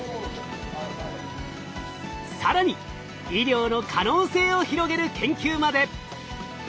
更に医療の可能性を広げる研究まで！